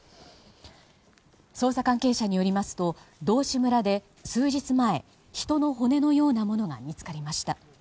捜査関係者によりますと道志村で数日前、人の骨のようなものが見つかりました。